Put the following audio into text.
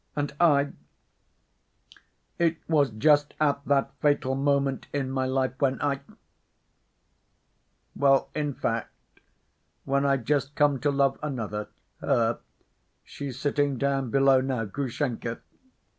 and I ... it was just at that fatal moment in my life when I ... well, in fact, when I'd just come to love another, her, she's sitting down below now, Grushenka.